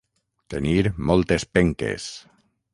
Tenir moltes penques.